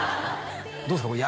どうですか？